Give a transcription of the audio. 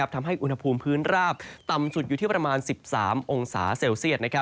ทำให้อุณหภูมิพื้นราบต่ำสุดอยู่ที่ประมาณ๑๓องศาเซลเซียต